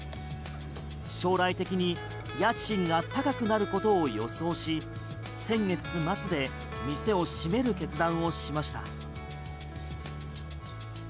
将来的に家賃が高くなることを予想し先月末で店を閉める決断をしました。